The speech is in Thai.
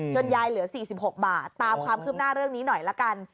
ยายเหลือ๔๖บาทตามความคืบหน้าเรื่องนี้หน่อยละกัน